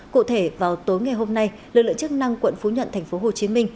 cụ thể vào tối ngày hôm nay lực lượng chức năng quận phú nhuận tp hcm